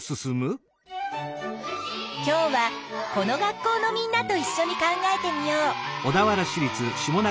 今日はこの学校のみんなといっしょに考えてみよう。